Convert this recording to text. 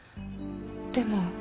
でも。